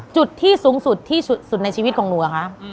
จุดที่สูงสุดที่สุดในชีวิตของหนูเหรอคะ